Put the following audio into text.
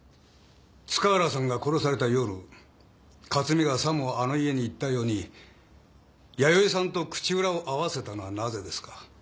塚原さんが殺された夜克巳がさもあの家に行ったように弥生さんと口裏を合わせたのはなぜですか？